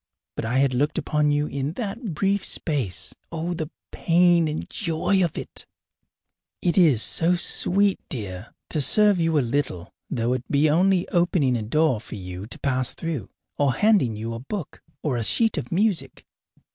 But I had looked upon you in that brief space. Oh, the pain and joy of it! It is so sweet, dear, to serve you a little, though it be only in opening a door for you to pass through, or handing you a book or a sheet of music!